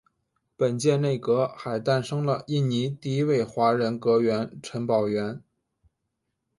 本届内阁还诞生了印尼第一位华人阁员陈宝源。